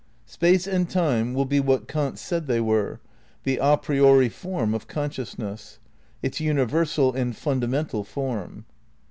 Space and Time will be what Kant said they were : the a priori form of consciousness ; its universal and fundamental form.